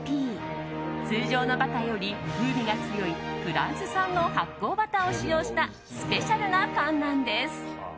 通常のバターより風味が強いフランス産の発酵バターを使用したスペシャルなパンなんです。